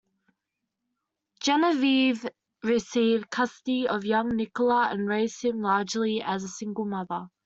Genevieve received custody of young Nikola and raised him largely as a single mother.